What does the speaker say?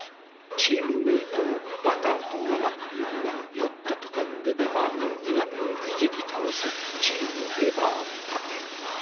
チームメートのバターと生クリームが寄ってたかってレバーの苦味をイジり倒すチームレバーパテ。